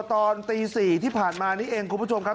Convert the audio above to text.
ตอนตี๔ที่ผ่านมานี้เองคุณผู้ชมครับ